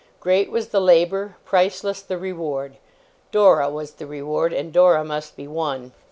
Great was the labour; priceless the reward. Dora was the reward, and Dora must be won.